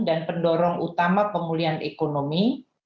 dan pendorong utama pemulihan ekonomi